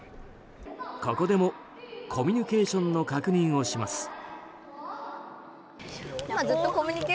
ここでも、コミュニケーションの確認をします。